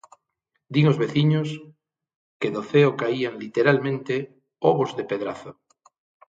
Din os veciños que do ceo caían, literalmente, ovos de pedrazo.